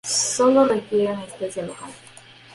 Solo requiere anestesia local.